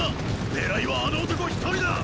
狙いはあの男一人だ！